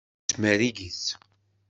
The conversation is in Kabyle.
Nettmerrig-itt.